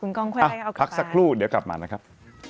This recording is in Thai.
คุณกองค่อยให้เอากับการพักสักครู่เดี๋ยวกลับมานะครับ